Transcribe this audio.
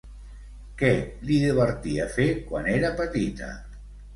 Què li divertia fer quan era petita?